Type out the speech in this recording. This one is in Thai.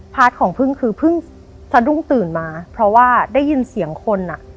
ของพึ่งคือเพิ่งสะดุ้งตื่นมาเพราะว่าได้ยินเสียงคนอ่ะ